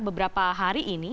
beberapa hari ini